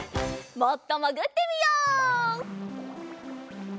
もっともぐってみよう。